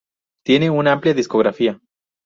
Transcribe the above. Tienen una amplia discografía.